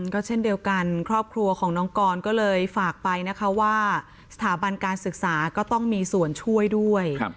ก็เช่นเดียวกันครอบครัวของน้องกรก็เลยฝากไปนะคะว่าสถาบันการศึกษาก็ต้องมีส่วนช่วยด้วย